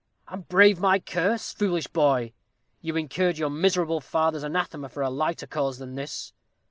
"And brave my curse, foolish boy? You incurred your miserable father's anathema for a lighter cause than this.